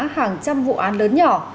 hàng trăm vụ án lớn nhỏ